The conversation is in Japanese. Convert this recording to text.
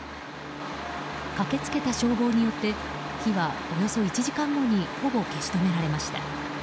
駆け付けた消防によって火は、およそ１時間後にほぼ消し止められました。